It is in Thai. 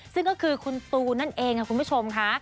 ซึ่งก็คือคุณตูนนั่นเองค่ะคุณผู้ชมค่ะ